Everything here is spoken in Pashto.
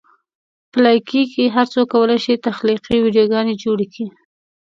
په لایکي کې هر څوک کولی شي تخلیقي ویډیوګانې جوړې کړي.